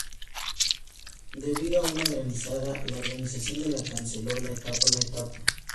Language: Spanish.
Debido a una granizada, la organización de la carrera canceló la etapa.